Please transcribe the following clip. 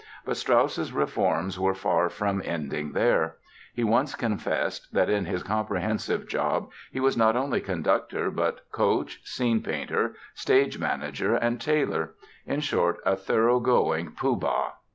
But Strauss's reforms were far from ending there. He once confessed that in his comprehensive job he was not only conductor but "coach, scene painter, stage manager and tailor"—in short, a thoroughgoing Pooh Bah.